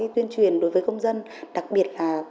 tuyên truyền đối với công dân đặc biệt là